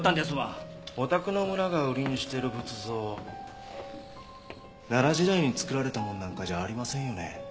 おたくの村が売りにしてる仏像奈良時代につくられたものなんかじゃありませんよね？